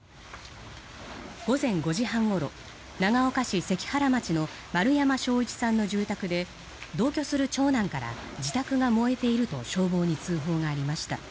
午前５時半ごろ長岡市関原町の丸山詔一さんの住宅で同居する長男から自宅が燃えていると消防に通報がありました。